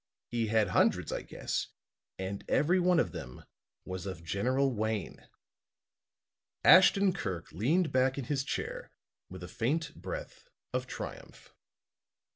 He had hundreds, I guess, and every one of them was of General Wayne." Ashton Kirk leaned back in his chair with a faint breath of triumph.